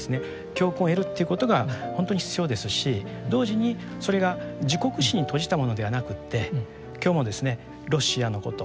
教訓を得るということがほんとに必要ですし同時にそれが自国史に閉じたものではなくって今日もですねロシアのこと